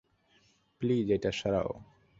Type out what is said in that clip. Please, এটা সরাও।